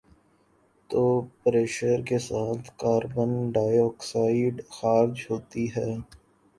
تو pressure کے ساتھ کاربن ڈائی آکسائیڈ خارج ہوتی ہے